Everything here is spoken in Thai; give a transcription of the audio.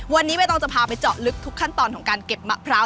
วันนี้ใบตองจะพาไปเจาะลึกทุกขั้นตอนของการเก็บมะพร้าว